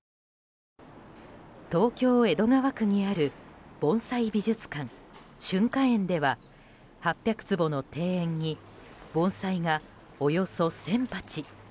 東京・江戸川区にある盆栽美術館・春花園では８００坪の庭園に盆栽がおよそ１０００鉢。